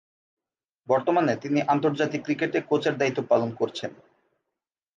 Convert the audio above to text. বর্তমানে তিনি আন্তর্জাতিক ক্রিকেটে কোচের দায়িত্ব পালন করছেন।